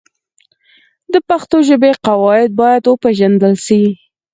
د پښتو ژبې قواعد باید وپېژندل سي.